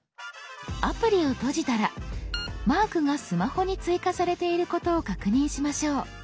アプリを閉じたらマークがスマホに追加されていることを確認しましょう。